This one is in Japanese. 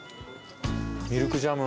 ミルクジャム。